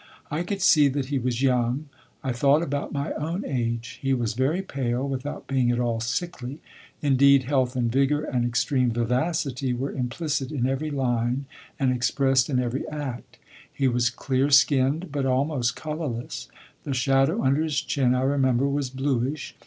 I could see that he was young; I thought about my own age. He was very pale, without being at all sickly indeed, health and vigour and extreme vivacity were implicit in every line and expressed in every act; he was clear skinned, but almost colourless. The shadow under his chin, I remember, was bluish.